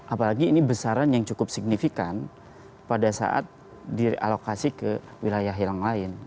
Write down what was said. apalagi ini besaran yang cukup signifikan pada saat direalokasi ke wilayah yang lain